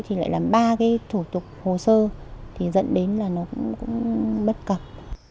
thì lại làm ba cái thủ tục hồ sơ thì dẫn đến là nó cũng bất cập